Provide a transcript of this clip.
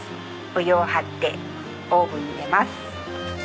お湯を張ってオーブンに入れます。